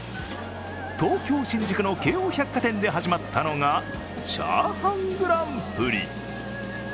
東京・新宿の京王百貨店で始まったのがチャーハングランプリ。